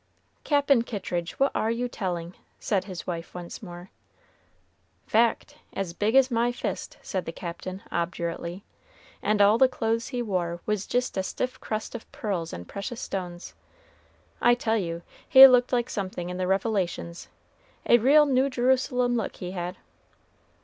"Cap'n Kittridge, what are you telling?" said his wife once more. "Fact, as big as my fist," said the Captain, obdurately; "and all the clothes he wore was jist a stiff crust of pearls and precious stones. I tell you, he looked like something in the Revelations, a real New Jerusalem look he had."